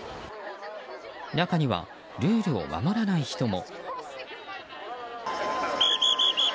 中にはルールを守らない人も。